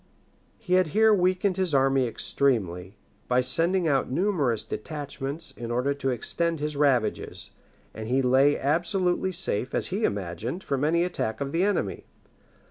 He had here weakened his army extremely, by sending out numerous detachments in order to extend his ravages; and he lay absolutely safe, as he imagined, from any attack of the enemy.